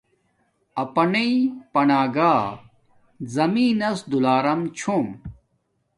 اپناݵ پناگاہ زمین نس دولارم چھوم